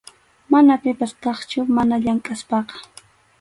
Mana pipas kaqchu mana llamk’aspaqa.